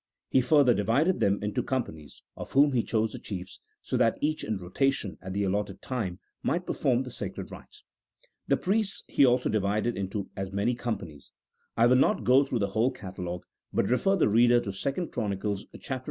He further divided them into companies (of whom he chose the chiefs), so that each in rotation, at the allotted time, might perform the sacred rites. The priests he also divided into as many companies ; I will not go through the whole catalogue, but refer the reader to 2 Chron. viii.